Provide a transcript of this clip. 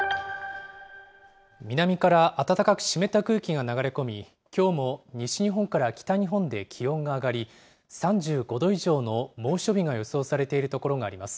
南から暖かく湿った空気が流れ込み、きょうも西日本から北日本で気温が上がり、３５度以上の猛暑日が予想されている所があります。